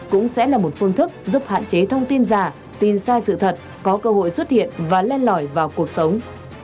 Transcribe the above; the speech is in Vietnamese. cũng sẽ là một phương thức giúp hạn chế thông tin giả tin sai sự thật có cơ hội xuất hiện và lên lõi vào cuộc sống